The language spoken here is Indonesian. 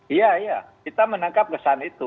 iya iya kita menangkap kesan itu